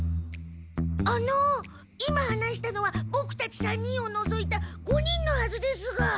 あの今話したのはボクたち３人をのぞいた５人のはずですが。